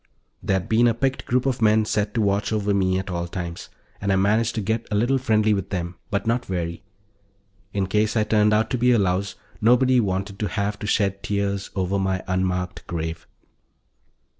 There'd been a picked group of men set to watch over me at all times, and I managed to get a little friendly with them, but not very. In case I turned out to be a louse, nobody wanted to have to shed tears over my unmarked grave.